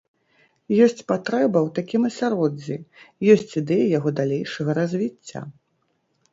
Ёсць патрэба ў такім асяроддзі, ёсць ідэі яго далейшага развіцця.